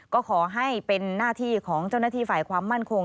ก็ขอให้เป็นหน้าที่ของเจ้าหน้าที่ฝ่ายความมั่นคง